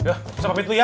ya usap pintu ya